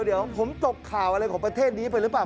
เดี๋ยวผมตกข่าวอะไรของประเทศนี้ไปหรือเปล่า